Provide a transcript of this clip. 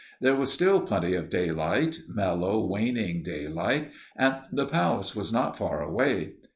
There was still plenty of daylight, mellow, waning daylight, and the palace was not far away.